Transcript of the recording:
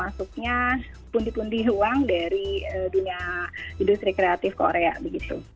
masuknya pundi pundi uang dari dunia industri kreatif korea begitu